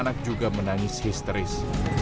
anak juga menangis histeris